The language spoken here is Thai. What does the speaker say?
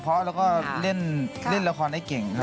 เพราะว่าใจแอบในเจ้า